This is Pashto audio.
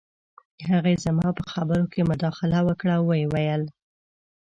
هغې زما په خبرو کې مداخله وکړه او وویې ویل